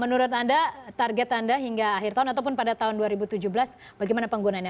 menurut anda target anda hingga akhir tahun ataupun pada tahun dua ribu tujuh belas bagaimana penggunaannya